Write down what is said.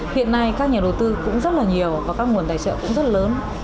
hiện nay các nhà đầu tư cũng rất là nhiều và các nguồn tài trợ cũng rất lớn